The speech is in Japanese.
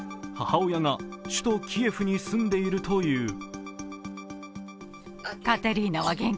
母親が首都キエフに住んでいるという。